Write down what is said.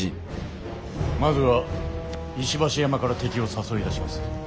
まずは石橋山から敵を誘い出します。